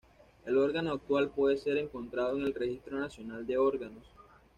El órgano actual puede ser encontrado en el Registro Nacional de Órganos.